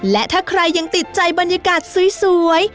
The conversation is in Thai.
และถ้าใครยังติดใจบรรยากาศสวย